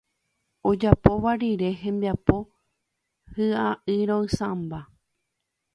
ojapopa rire hembiapo hy'airo'ysãmba